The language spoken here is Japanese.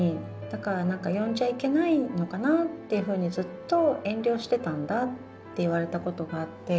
だから何か呼んじゃいけないのかなっていうふうにずっと遠慮してたんだって言われたことがあって。